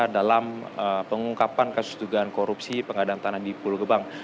dalam pengungkapan kasus dugaan korupsi pengadaan tanah di pulau gebang